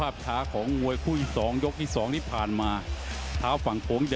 อันตรายเลยรถประนิดเล่งเยอะเยอะเกินนะ